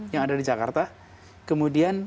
yang ada di jakarta kemudian